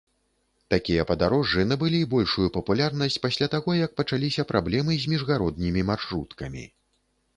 Такія падарожжы набылі большую папулярнасць пасля таго, як пачаліся праблемы з міжгароднімі маршруткамі.